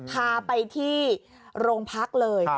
พาไปที่โรงพักเลย